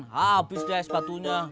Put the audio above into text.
habis deh es batunya